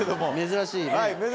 珍しいね。